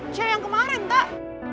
cewek yang kemarin kak